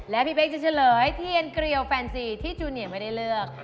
ตอนนี้จะเฉลยเทียนเกลียวแฟนซิที่จูเนียไม่ได้เลือก